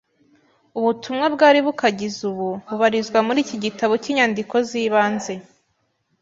Ubutumwa bwari bukagize ubu bubarizwa muri iki gitabo cy’Inyandiko z’Ibanze.